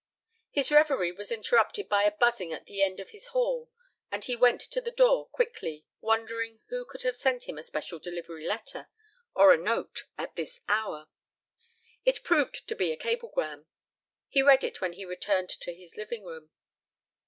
His reverie was interrupted by a buzzing at the end of his hall and he went to the door quickly, wondering who could have sent him a special delivery letter or a note at this hour. It proved to be a cablegram. He read it when he returned to his living room.